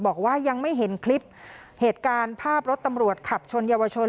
บอกว่ายังไม่เห็นคลิปเหตุการณ์ภาพรถตำรวจขับชนเยาวชน